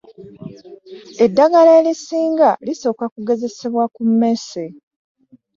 Eddagala erisinga lisooka kugezesebwa ku mmese.